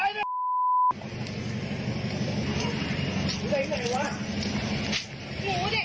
อยู่เดิมแถวนี้สักที